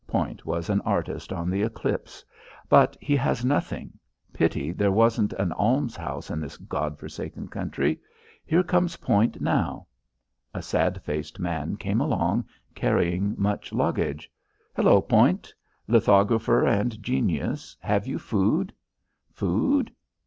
Point was an artist on the Eclipse. "But he has nothing. Pity there wasn't an almshouse in this God forsaken country. Here comes Point now." A sad faced man came along carrying much luggage. "Hello, Point! lithographer and genius, have you food? Food.